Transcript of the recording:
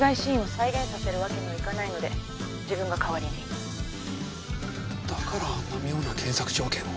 「再現させるわけにはいかないので自分が代わりに」だからあんな妙な検索条件を。